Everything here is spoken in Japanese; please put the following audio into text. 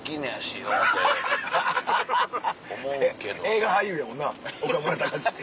映画俳優やもんな岡村隆史。